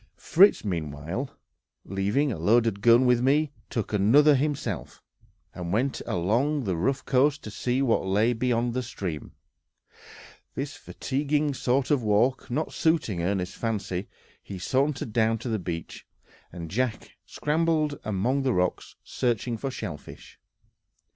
Fritz meanwhile, leaving a loaded gun with me, took another himself, and went along the rough coast to see what lay beyond the stream; this fatiguing sort of walk not suiting Ernest's fancy, he sauntered down to the beach, and Jack scrambled among the rocks, searching for shellfish.